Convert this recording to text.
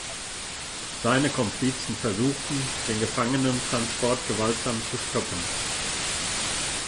Seine Komplizen versuchten, den Gefangenentransport gewaltsam zu stoppen.